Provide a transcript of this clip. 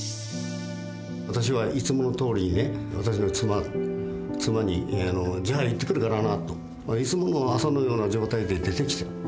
私はいつものとおりにね私の妻に「じゃあ行ってくるからな」といつもの朝のような状態で出てきた。